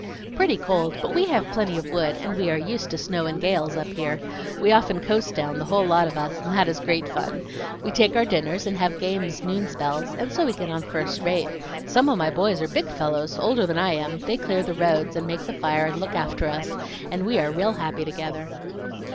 "Pretty cold, but we have plenty of wood, and we are used to snow and gales up here. We often coast down, the whole lot of us, and that is great fun. We take our dinners and have games noon spells, and so we get on first rate; some of my boys are big fellows, older than I am; they clear the roads and make the fire and look after us, and we are real happy together."